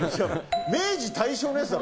明治、大正のやつだろ？